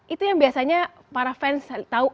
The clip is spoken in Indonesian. itu yang biasanya para fans tahu